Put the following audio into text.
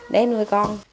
để nuôi con